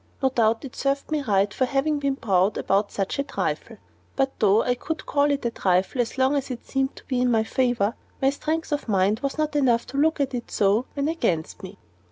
No doubt it served me right for having been proud about such a trifle; but though I could call it a trifle as long as it seemed to be in my favor, my strength of mind was not enough to look at it so when against me.